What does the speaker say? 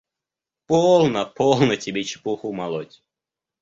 – Полно, полно тебе чепуху молоть!